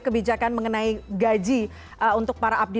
kebijakan mengenai gaji untuk para abdi